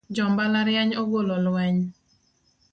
Jo mbalariany ogolo lweny